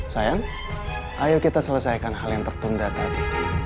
sayang ayo kita selesaikan hal yang tertunda tadi